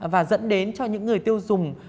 và dẫn đến cho những người tiêu dùng